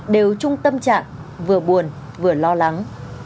đều trung tâm trạng vừa buồn vừa lo lắng